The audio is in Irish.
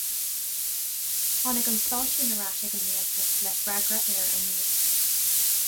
Tháinig an stáisiún ar ais ag an Rialtas le freagra ar a n-iarratas.